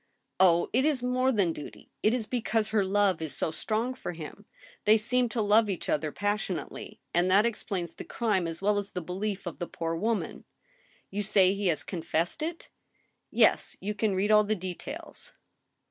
" Oh ! it is more than duty. ... it is because her love is so strong for him. They seem to love each other passionately ; and that explains the crime as well as the belief of the poor wofnan. ... You say he has confessed it ?" "Yes, you can read all the details."